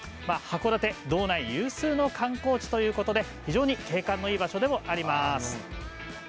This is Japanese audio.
函館道内有数の観光地ということで景観のいい場所でもあります。